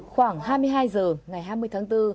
khoảng hai mươi hai h ngày hai mươi tháng bốn